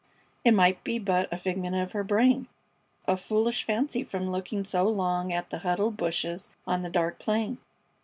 It might be but a figment of her brain, a foolish fancy from looking so long at the huddled bushes on the dark plain.